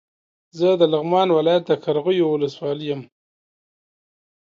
زه د لغمان ولايت د قرغيو ولسوالۍ يم